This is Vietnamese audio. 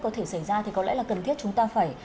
có thể xảy ra thì có lẽ là cần thiết chúng ta phải